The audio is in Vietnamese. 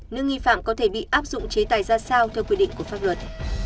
nước nghi phạm có thể bị áp dụng chế tài ra sao theo quy định của pháp luật